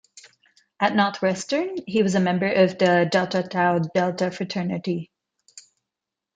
At Northwestern, he was a member of the Delta Tau Delta fraternity.